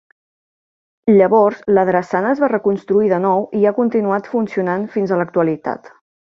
Llavors, la drassana es va reconstruir de nou i ha continuat funcionant fins a l'actualitat.